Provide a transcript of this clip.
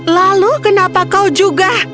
lalu kenapa kau juga